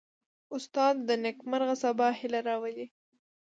استاد د نیکمرغه سبا هیله راولي.